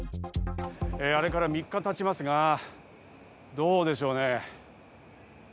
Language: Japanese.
あれから３日経ちますが、どうでしょうね。